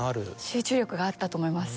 集中力があったと思います